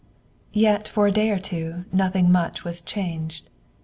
V Yet for a day or two nothing much was changed.